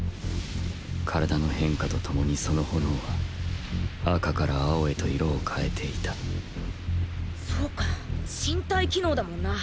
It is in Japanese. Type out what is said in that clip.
身体の変化と共にその炎は赤から蒼へと色を変えていたそうか身体機能だもんな。